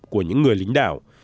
của những người lính đảo